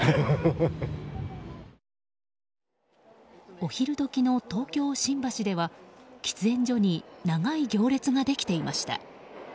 お昼時の東京・新橋では喫煙所に長い行列ができていました。